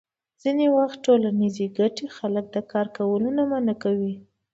ځینې وخت ټولنیزې ګټې خلک د کار کولو نه منع کوي.